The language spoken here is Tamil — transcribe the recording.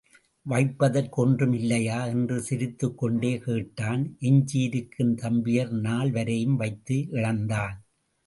வைப்பதற்கு ஒன்றும் இல்லையா? என்று சிரித்துக் கொண்டே கேட்டான் எஞ்சியிருந்த தம்பியர் நால் வரையும் வைத்து இழந்தான்.